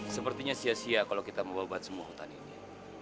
sepertinya sia sia kalau kita membobat semua hutan ini